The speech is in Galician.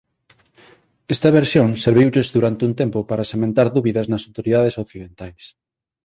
Esta versión serviulles durante un tempo para sementar dúbidas nas autoridades occidentais.